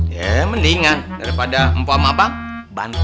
ya mendingan daripada mpok mpok bantet